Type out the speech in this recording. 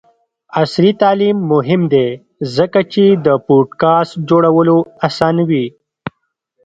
عصري تعلیم مهم دی ځکه چې د پوډکاسټ جوړولو اسانوي.